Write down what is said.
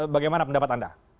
bagaimana pendapat anda